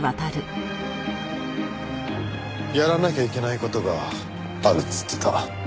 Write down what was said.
やらなきゃいけない事があるって言ってた。